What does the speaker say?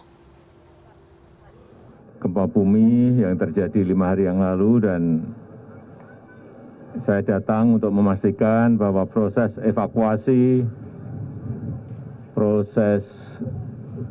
jokowi meninjau lokasi pengungsian di stadion manakara mabuju dan juga perumahan warga yang rusak akibat gempa